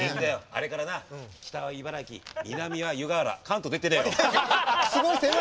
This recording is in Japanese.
あれから北は茨城南は湯河原、関東出てねえの。